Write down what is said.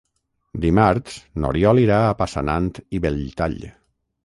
Dimarts n'Oriol irà a Passanant i Belltall.